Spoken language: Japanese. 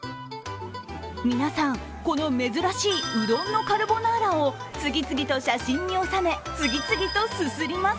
皆さん、この珍しいうどんのカルボナーラを次々と写真に収め、次々とすすります。